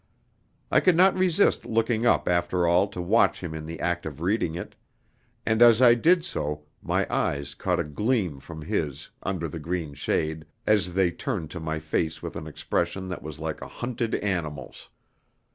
I could not resist looking up after all to watch him in the act of reading it, and as I did so my eyes caught a gleam from his, under the green shade, as they turned to my face with an expression that was like a hunted animal's.